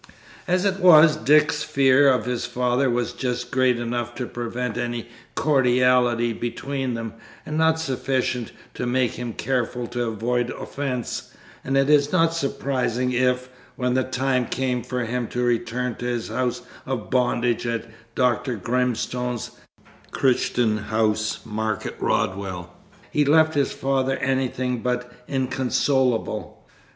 As it was, Dick's fear of his father was just great enough to prevent any cordiality between them, and not sufficient to make him careful to avoid offence, and it is not surprising if, when the time came for him to return to his house of bondage at Dr. Grimstone's, Crichton House, Market Rodwell, he left his father anything but inconsolable.